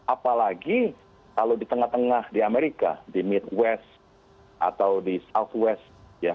apalagi kalau di tengah tengah di amerika di midwes atau di southwest